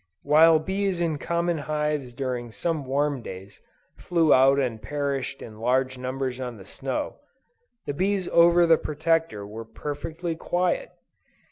While bees in common hives during some warm days flew out and perished in large numbers on the snow; the bees over the Protector were perfectly quiet.